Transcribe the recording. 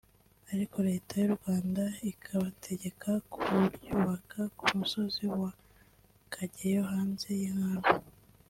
ariko Leta y’u Rwanda ikabategeka kuryubaka ku musozi wa Kageyo hanze y’inkambi